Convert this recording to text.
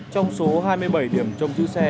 trong số hai mươi bảy điểm trong giữ xe